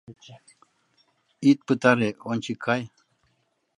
Ит пытаре, ончык кай